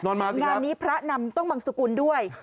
นอนมาแล้วนะครับงานนี้พระนำต้องบังสุขุนด้วย